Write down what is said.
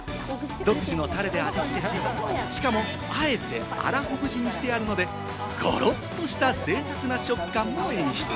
独自のタレで味付けし、しかも、あえて粗ほぐしにしてあるので、ゴロっとした、ぜいたくな食感を演出。